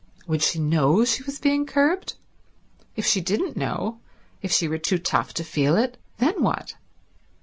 Would she know she was being curbed? If she didn't know, if she were too tough to feel it, then what?